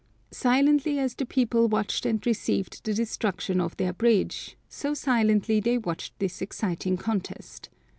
Silently as the people watched and received the destruction of their bridge, so silently they watched this exciting contest.